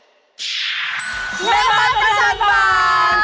แม่บ้านปัจจันบาน